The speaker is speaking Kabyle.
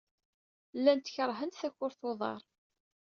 Llant keṛhent takurt n uḍar.